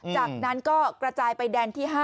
จากนั้นก็กระจายไปแดนที่๕